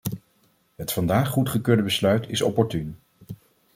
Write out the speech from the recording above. Het vandaag goedgekeurde besluit is opportuun.